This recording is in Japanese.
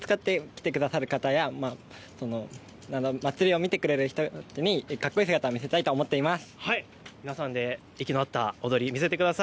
武蔵野線を使って来てくださる方や、祭りを見てくださる人にかっこいい姿を見せたいと思っています。